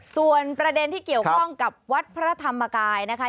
ส่วนประเด็นที่เกี่ยวข้องกับวัดพระธรรมกายนะคะ